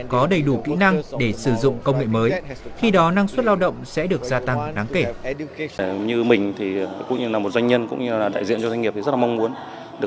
có đầy đủ kỹ năng để sử dụng công nghệ mới